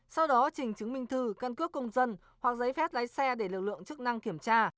sau đó trình chứng minh thư căn cước công dân hoặc giấy phép lái xe để lực lượng chức năng kiểm tra